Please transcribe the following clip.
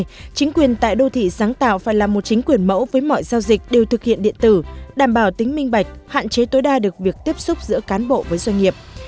vì vậy chính quyền tại đô thị sáng tạo phải là một chính quyền mẫu với mọi giao dịch đều thực hiện điện tử đảm bảo tính minh bạch hạn chế tối đa được việc tiếp xúc giữa cán bộ với doanh nghiệp